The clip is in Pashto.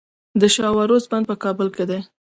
د شاه و عروس بند په کابل کې دی